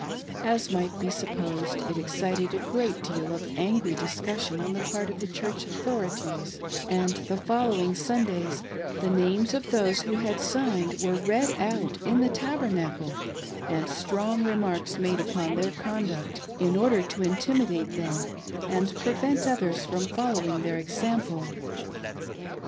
As might be supposed, it excited a great deal of angry discussion on the part of the Chiu"ch authorities ; and the following Sundays the names of those who had signed were read out in the Tabernacle, and strong remarks made upon their conduct, in order to intimidate them and prevent others from following their example.